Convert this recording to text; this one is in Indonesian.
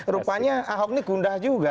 rupanya ahok ini kundah juga